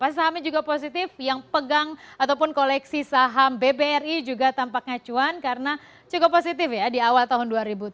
pasar sahamnya juga positif yang pegang ataupun koleksi saham bbri juga tampak ngacuan karena cukup positif ya di awal tahun dua ribu tujuh belas